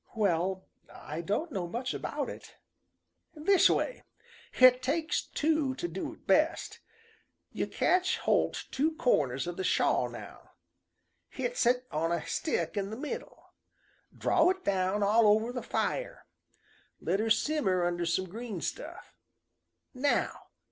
"Well, I don't know much about it." "This way: Hit takes two to do hit best. You catch holt two corners o' the shawl now. Hist it on a stick in the middle. Draw it down all over the fire. Let her simmer under some green stuff. Now!